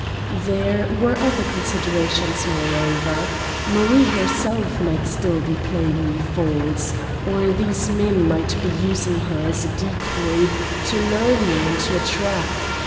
There were other considerations, moreover. Marie herself might still be playing me false, or these men might be using her as a decoy to lure me into a trap.